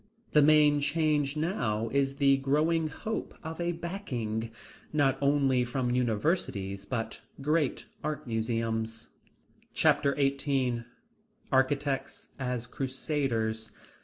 The main change now is the growing hope of a backing, not only from Universities, but great Art Museums. Chapter XVIII Architects as Crusaders.